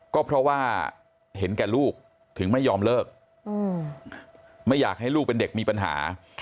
ก็เพราะว่าเห็นแก่ลูกถึงไม่ยอมเลิกไม่อยากให้ลูกเป็นเด็กมีปัญหา